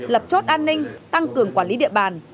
lập chốt an ninh tăng cường quản lý địa bàn